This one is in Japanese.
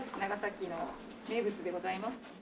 長崎の名物でございます。